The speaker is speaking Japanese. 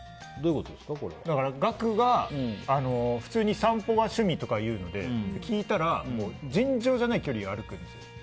ガクが普通に散歩が趣味とか言うんで聞いたら、尋常じゃない距離を歩くんです。